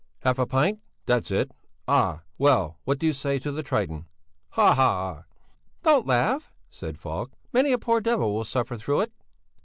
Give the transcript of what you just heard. "Half a pint! That's it! Ah! Well and what do you say to the 'Triton'? Hahaha!" "Don't laugh," said Falk; "many a poor devil will suffer through it."